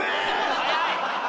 早い！